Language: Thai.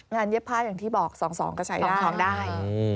งานเย็บพลาดอย่างที่บอก๒๒ก็ใช้ได้